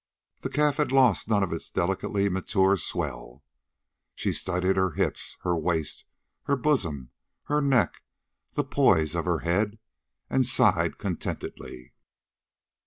The calf had lost none of its delicately mature swell. She studied her hips, her waist, her bosom, her neck, the poise of her head, and sighed contentedly.